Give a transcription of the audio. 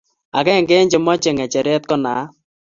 agenge eng che mechei ngecheree ko naat